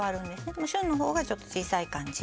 でも「シュン」の方がちょっと小さい感じ。